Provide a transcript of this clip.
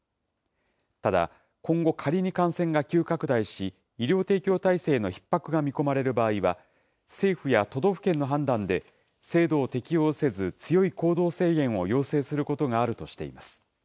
ただ、今後、仮に感染が急拡大し、医療提供体制のひっ迫が見込まれる場合は、政府や都道府県の判断で制度を適用せず、つよい行動制限を要請することがあるとしています。